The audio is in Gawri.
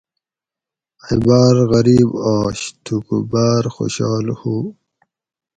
ائی باۤر غریب آش تھوکو باۤر خوشال ہُو